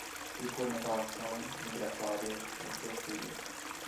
ciclometalação, migratória, nucleofílica